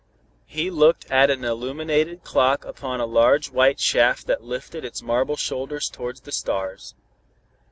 He looked at an illuminated clock upon a large white shaft that lifted its marble shoulders towards the stars.